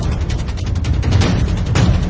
โอ้โอ้โอ้โอ้